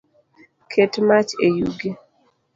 Ket mach e yugi